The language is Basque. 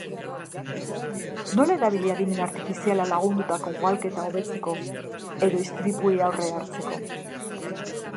Nola erabili adimen artifiziala lagundutako ugalketa hobetzeko edo istripuei aurre hartzeko?